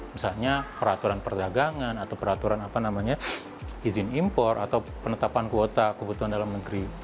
misalnya peraturan perdagangan atau peraturan apa namanya izin impor atau penetapan kuota kebutuhan dalam negeri